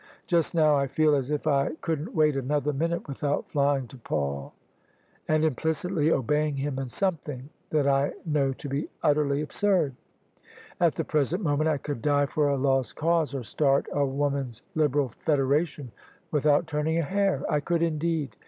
" Just now I feel as if I couldn't wait another minute without flying to Paul and implicitly obeying him in some thing that I know to be utterly absurd. At the present moment I could die for a lost cause or start a Woman's OF ISABEL CARNABY Liberal Federation without turning a hair. I could indeed.